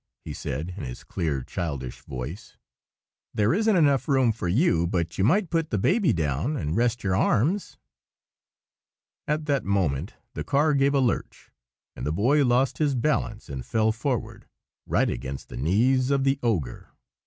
he said, in his clear, childish voice. "There isn't enough for you, but you might put the baby down, and rest your arms." At that moment the car gave a lurch, and the Boy lost his balance and fell forward,—right against the knees of the ogre.